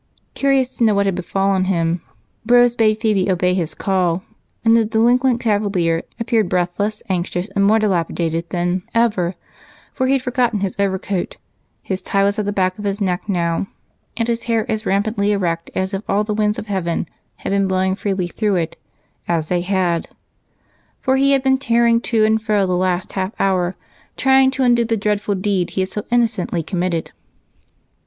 Curious to know what had befallen him, Rose bade Phebe obey his call and the delinquent cavalier appeared, breathless, anxious, and more dilapidated than ever, for he had forgotten his overcoat; his tie was at the back of his neck now; and his hair as rampantly erect as if all the winds of heaven had been blowing freely through it, as they had, for he had been tearing to and fro the last half hour, trying to undo the dreadful deed he had so innocently committed.